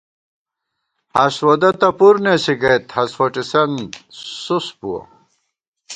ہست وودہ تہ پُر نېسی گئیت، ہست فوٹِسن سُس بُوَہ